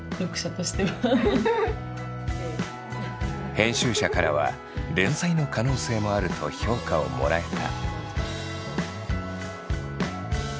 編集者からは連載の可能性もあると評価をもらえた。